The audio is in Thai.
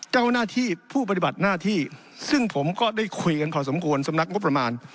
เจ้าหน้าที่ผู้ปฏิบัติหน้าที่ซึ่งผมก็ได้คุยกันพอสมควรสำนักงบประมาณ